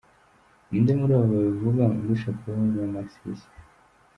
Ni inde muri abo babivuga undusha kuba umunyamasisi?